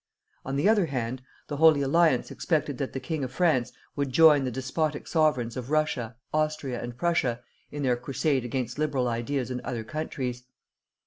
On the other hand, the Holy Alliance expected that the king of France would join the despotic sovereigns of Russia, Austria, and Prussia in their crusade against liberal ideas in other countries.